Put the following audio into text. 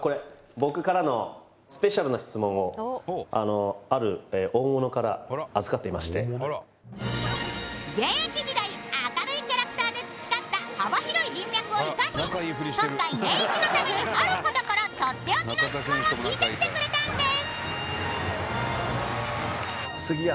僕からの現役時代明るいキャラクターで培った幅広い人脈を生かし今回「ネンイチ！」のためにある方からとっておきの質問を聞いてきてくれたんです